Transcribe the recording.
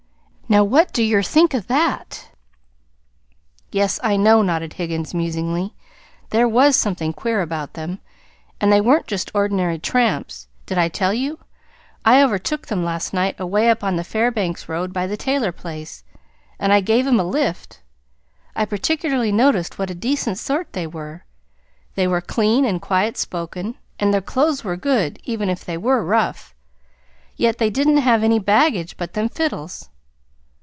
Now, what do yer think o' that?" "Yes, I, know" nodded Higgins musingly. "There WAS something queer about them, and they weren't just ordinary tramps. Did I tell you? I overtook them last night away up on the Fairbanks road by the Taylor place, and I gave 'em a lift. I particularly noticed what a decent sort they were. They were clean and quiet spoken, and their clothes were good, even if they were rough. Yet they didn't have any baggage but them fiddles."